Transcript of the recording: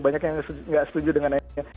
banyak yang gak setuju dengan akhirnya